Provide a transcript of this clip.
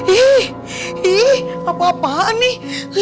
ih ih apa apaan nih